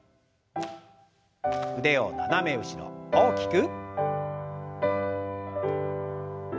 腕を斜め後ろ大きく。